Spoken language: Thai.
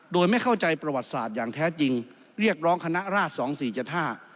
โดยไม่เข้าใจประวัติศาสตร์อย่างแท้จริงเรียกร้องคณะราชสองสี่เจ็ดห้า